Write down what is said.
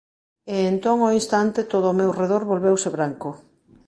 E entón ao instante todo ao meu redor volveuse branco.